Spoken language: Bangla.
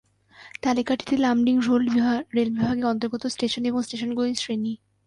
তালিকাটিতে লামডিং রেল বিভাগের অন্তর্গত স্টেশন এবং স্টেশনগুলির শ্রেনি।